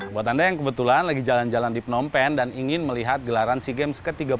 buat anda yang kebetulan lagi jalan jalan di phnom penh dan ingin melihat gelaran sea games ke tiga puluh dua